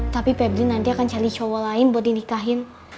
tapi pebri nanti akan cari cowok lain buat dinikahin